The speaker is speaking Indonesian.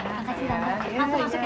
makasih tante masuk masuk ya